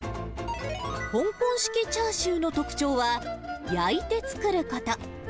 香港式チャーシューの特徴は、焼いて作ること。